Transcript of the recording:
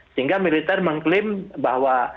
sehingga militer mengklaim bahwa